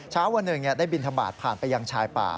เช้าวันหนึ่งได้บินทบาทผ่านไปยังชายป่า